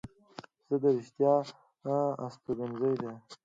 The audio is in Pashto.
زړه د رښتیا استوګنځی دی.